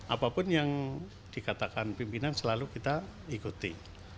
apapun yang dikatakan pimpinan selalu kita ikuti